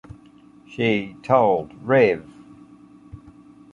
She told Rev.